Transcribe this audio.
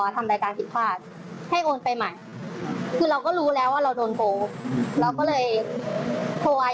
ใช่ค่ะมาแจ้งความที่สถานีนี่แหละค่ะ